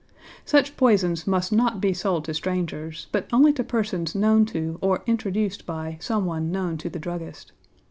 Such poisons must not be sold to strangers, but only to persons known to or introduced by someone known to the druggist.